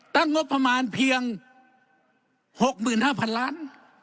ตั้งงบประมาณเพียง๖๕๐๐๐ล้าน